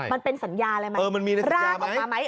มันเป็นสัญญาอะไรไหมรากออกมาไหม